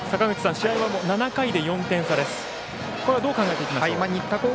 試合は７回で４点差です。